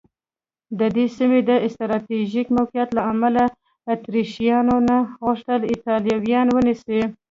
د دې سیمې د سټراټېژیک موقعیت له امله اتریشیانو نه غوښتل ایټالویان ونیسي.